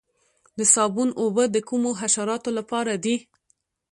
د صابون اوبه د کومو حشراتو لپاره دي؟